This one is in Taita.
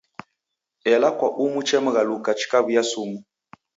Ela kwa umu chemghaluka chikaw'uya sumu.